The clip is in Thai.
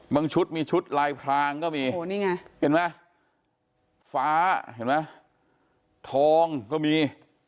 ชุดมีชุดลายพรางก็มีเห็นไหมฟ้าเห็นไหมทองก็มี